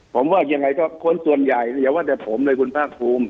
ผมว่ายังไงก็คนส่วนใหญ่อย่าว่าแต่ผมเลยคุณภาคภูมิ